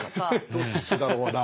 どっちだろうな。